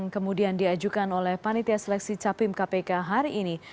kemudian diajukan oleh panitia seleksi capim kpk hari ini